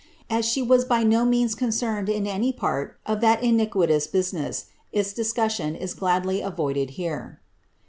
As she was by no means concerned in any part of that iniquitous business, its discussion i» ffladly avoided here.